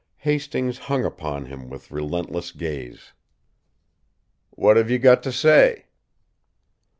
Hastings hung upon him with relentless gaze. "What have you got to say?"